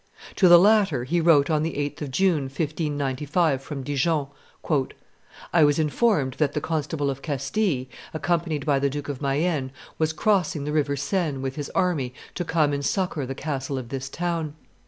To the latter he wrote on the 8th of June, 1595, from Dijon, "I was informed that the Constable of Castile, accompanied by the Duke of Mayenne, was crossing the River Sane with his army to come and succor the castle of this town.